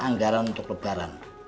anggaran untuk lebaran